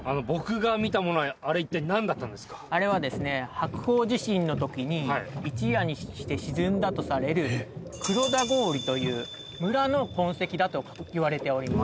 白鳳地震の時に一夜にして沈んだとされる黒田郡という村の痕跡だといわれております。